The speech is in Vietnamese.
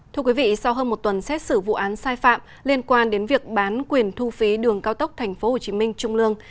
thưa quý vị sau hơn một tuần xét xử vụ án sai phạm liên quan đến việc bán quyền thu phí đường cao tốc tp hcm trung lương